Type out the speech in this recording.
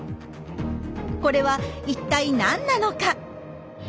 これは一体何なのか？